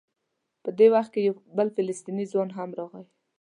په دې وخت کې یو بل فلسطینی ځوان هم راغی.